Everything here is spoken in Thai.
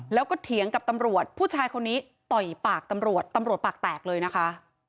แล้วก็เถียงกับตำรวจผู้ชายคนนี้ต่อยปากตำรวจตำรวจปากแตกเลยนะคะ